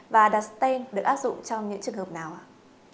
và đặt stent được áp dụng trong những trường hợp nào